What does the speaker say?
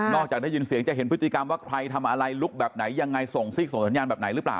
จากได้ยินเสียงจะเห็นพฤติกรรมว่าใครทำอะไรลุกแบบไหนยังไงส่งซีกส่งสัญญาณแบบไหนหรือเปล่า